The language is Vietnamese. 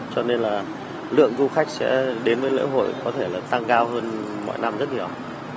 cho nên lượng du khách sẽ đến với lễ hội có thể tăng cao hơn mọi năm rất nhiều